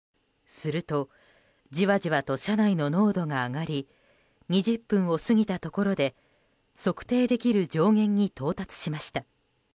するとじわじわと車内の濃度が上がり２０分を過ぎたところで測定できる上限に到達しました。